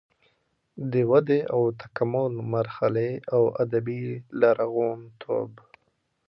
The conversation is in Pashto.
د ودې او تکامل مرحلې او ادبي لرغونتوب